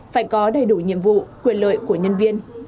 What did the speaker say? phải có đầy đủ nhiệm vụ quyền lợi của nhân viên